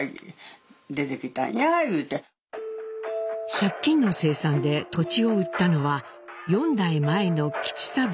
借金の清算で土地を売ったのは４代前の三郎。